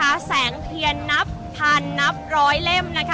อาจจะออกมาใช้สิทธิ์กันแล้วก็จะอยู่ยาวถึงในข้ามคืนนี้เลยนะคะ